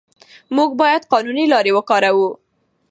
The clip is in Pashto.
موږ باید قانوني لارې وکاروو.